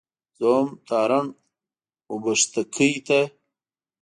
زه ځم تارڼ اوبښتکۍ ته.